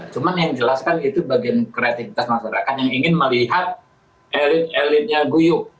cuma yang dijelaskan itu bagian kreativitas masyarakat yang ingin melihat elit elitnya guyuk